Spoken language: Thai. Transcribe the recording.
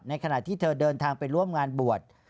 ขณะที่เธอเดินทางไปร่วมงานบวช